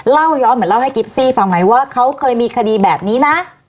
เล่าย้อนเหมือนเล่าให้กิฟซี่ฟังไหมว่าเขาเคยมีคดีแบบนี้นะ